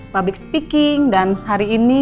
public speaking dan sehari ini